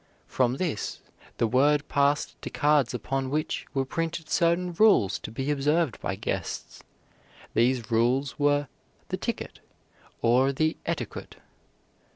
From this the word passed to cards upon which were printed certain rules to be observed by guests. These rules were "the ticket" or the etiquette.